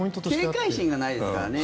警戒心がないですからね